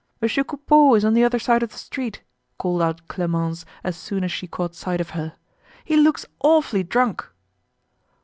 "Monsieur Coupeau is on the other side of the street," called out Clemence as soon as she caught sight of her. "He looks awfully drunk."